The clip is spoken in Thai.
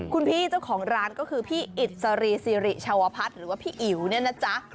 คุณพี่เจ้าของร้านก็คือพี่อิสรีสิริชาวพัฒน์หรือว่าพี่อิ๋วเนี่ยนะจ๊ะ